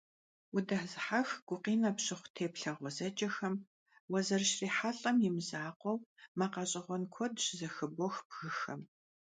Удэзыхьэх, гукъинэ пщыхъу теплъэ гъуэзэджэхэм уазэрыщрихьэлIэм и мызакъуэу, макъ гъэщIэгъуэн куэд щызэхыбох бгыхэм.